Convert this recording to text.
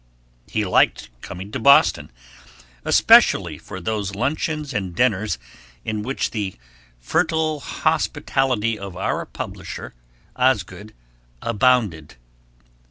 He liked coming to Boston, especially for those luncheons and dinners in which the fertile hospitality of our publisher, Osgood, abounded.